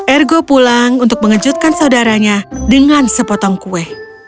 ergo pulang untuk mengejutkan saudaranya dengan sepotong kue